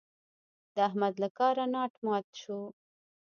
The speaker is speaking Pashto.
د احمد له کاره ناټ مات شو.